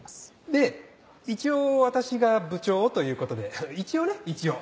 で一応私が部長ということで一応ね一応。